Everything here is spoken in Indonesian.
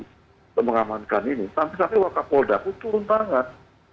saya mengamankan ini sampai sampai wakafoldaku turun banget